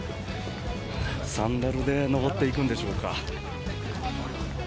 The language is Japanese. サンダルで登っていくんでしょうか。